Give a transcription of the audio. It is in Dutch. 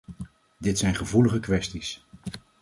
Dit zijn gevoelige kwesties.